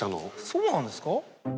そうなんですか？